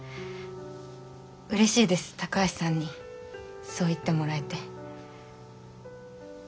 嬉しいです高橋さんにそう言ってもらえて。